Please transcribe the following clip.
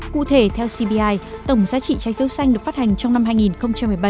cụ thể theo cbi tổng giá trị trái phiếu xanh được phát hành trong năm hai nghìn một mươi bảy